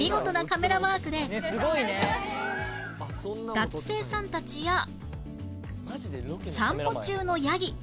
学生さんたちや散歩中のヤギ